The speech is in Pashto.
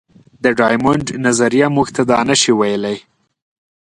د ډایمونډ نظریه موږ ته دا نه شي ویلی.